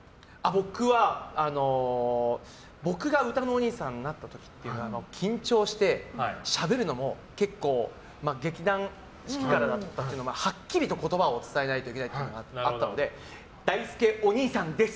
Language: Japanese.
僕は、僕がうたのおにいさんになった時って緊張して、しゃべるのも結構劇団四季からだったのではっきりと言葉を伝えないといけないっていうのがあってだいすけおにいさんです！